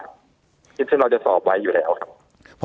ที่เราจะสอบไว้อยู่แล้วครับ